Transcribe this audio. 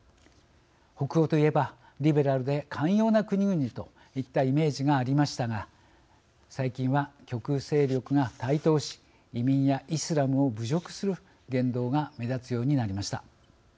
北欧といえばリベラルで寛容な国々といったイメージがありましたが最近は極右勢力が台頭し移民やイスラムを侮辱する言動が目立つようになりました。